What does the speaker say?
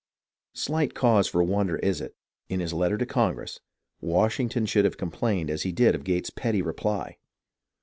Slight cause for wonder is it that in his letter to Con gress, Washington should have complained as he did of Gates's petty reply.